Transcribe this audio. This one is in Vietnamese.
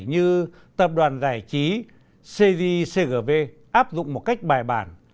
như tập đoàn giải trí cgcgv áp dụng một cách bài bản